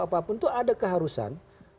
apapun itu ada keharusan